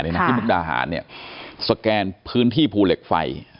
ที่มุกดาหารเนี่ยสแกนพื้นที่ภูเหล็กไฟ